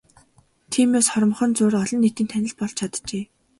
Тиймээс хоромхон зуур олон нийтийн танил болж чаджээ.